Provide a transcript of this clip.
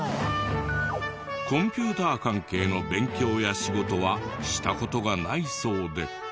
コンピューター関係の勉強や仕事はした事がないそうで。